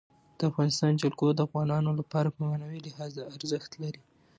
د افغانستان جلکو د افغانانو لپاره په معنوي لحاظ ارزښت لري.